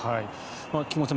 菊間さん